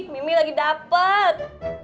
mimi lagi dapet